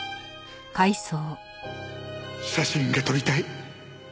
写真が撮りたい。